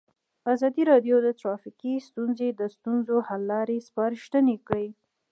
ازادي راډیو د ټرافیکي ستونزې د ستونزو حل لارې سپارښتنې کړي.